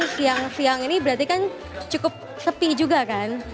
siang siang ini berarti kan cukup sepi juga kan